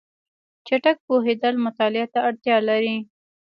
چټک پوهېدل مطالعه ته اړتیا لري.